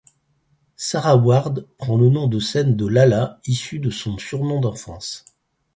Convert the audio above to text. Sarah Ward prend le nom de scène de Lalla, issue de son surnom d'enfance.